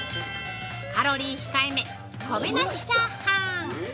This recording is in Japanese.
カロリー控え目「米なしチャーハン」